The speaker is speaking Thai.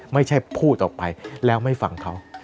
ไม่ใช่พูดออกไปแล้วไม่ฟังเขา